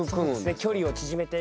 距離を縮めて。